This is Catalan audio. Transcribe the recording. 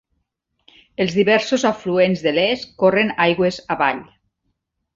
Els diversos afluents de l'Esk corren aigües avall.